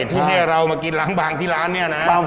ที่ให้เรามากินล้างบางที่ร้านเนี่ยนะ